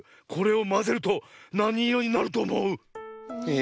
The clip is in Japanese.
え？